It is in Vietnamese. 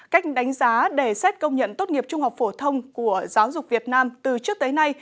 cách đánh giá để xét công nhận tốt nghiệp trung học phổ thông của giáo dục việt nam từ trước tới nay